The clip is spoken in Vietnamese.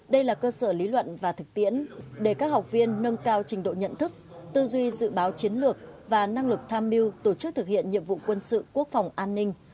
đây là cơ sở lý luận và thực tiễn để các học viên nâng cao trình độ nhận thức tư duy dự báo chiến lược và năng lực tham mưu tổ chức thực hiện nhiệm vụ quân sự quốc phòng an ninh